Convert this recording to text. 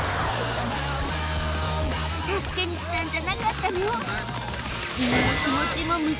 助けにきたんじゃなかったの？